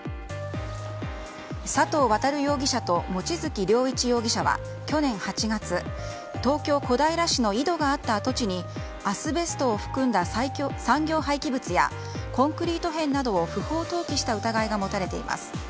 佐藤航容疑者と望月良一容疑者は去年８月東京・小平市の井戸があった跡地にアスベストを含んだ産業廃棄物やコンクリート片などを不法投棄した疑いが持たれています。